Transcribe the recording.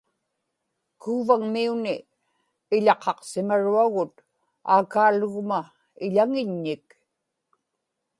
Kuuvagmiuni iḷaqaqsimaruagut aakaalugma iḷaŋiññik